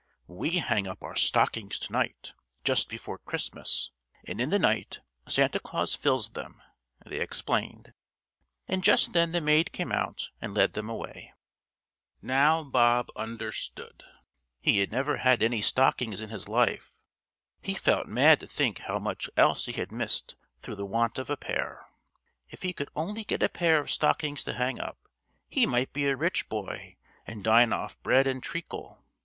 "We hang up our stockings to night, just before Christmas, and in the night Santa Claus fills them," they explained, and just then the maid came out and led them away. Now Bob understood. He had never had any stockings in his life. He felt mad to think how much else he had missed through the want of a pair. If he could only get a pair of stockings to hang up, he might be a rich boy and dine off bread and treacle.